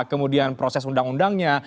kemudian proses undang undangnya